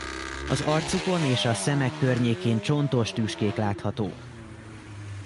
Az arcukon és a szemek környékén csontos tüskék láthatók.